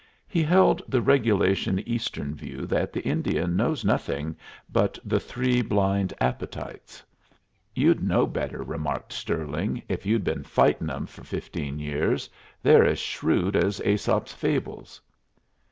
He held the regulation Eastern view that the Indian knows nothing but the three blind appetites. "You'd know better," remarked Stirling, "if you'd been fighting 'em for fifteen years. They're as shrewd as Æsop's fables."